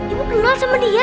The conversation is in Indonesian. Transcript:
ibu kenal sama dia